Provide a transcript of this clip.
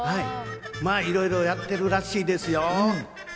まぁ、いろいろやってるらしいですよ。